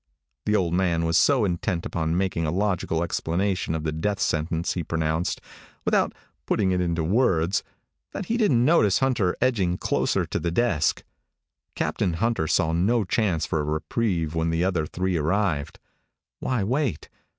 The old man was so intent upon making a logical explanation of the death sentence he pronounced without putting it into words that he didn't notice Hunter edging closer to the desk. Captain Hunter saw no chance for a reprieve when the other three arrived. Why wait?